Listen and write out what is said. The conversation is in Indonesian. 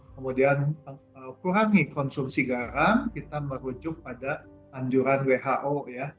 kemudian kurangi konsumsi garam kita merujuk pada anjuran who ya